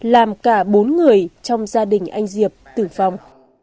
làm cả bốn người trong gia đình anh diệp tử vong